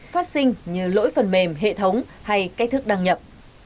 phát sinh như lỗi phần mềm hệ thống hay cách thức đăng nhập